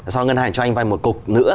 sau ngân hàng cho anh vay một cục nữa